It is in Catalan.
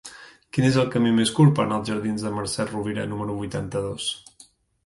Quin és el camí més curt per anar als jardins de Mercè Rovira número vuitanta-dos?